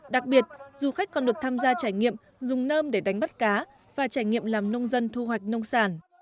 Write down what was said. đặc biệt du khách còn được tham gia trải nghiệm dùng nơm để đánh bắt cá và trải nghiệm làm nông dân thu hoạch nông sản